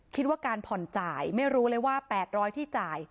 คิดว่าการผ่อนจ่ายไม่รู้เลยว่า๘๐๐ที่จ่าย